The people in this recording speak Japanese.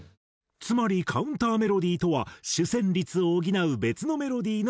つまりカンターメロディーとは主旋律を補う別のメロディーの事。